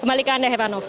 kembali ke anda heranov